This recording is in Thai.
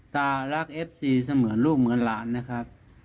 ตารักเอฟซีเสมือนลูกเหมือนหลานนะครับ